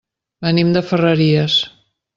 Venim de Ferreries.